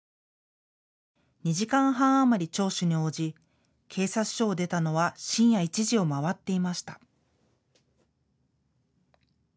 ２時間半余り聴取に応じ警察署を出たのは深夜１時を回っていました。